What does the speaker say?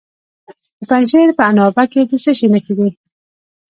د پنجشیر په عنابه کې د څه شي نښې دي؟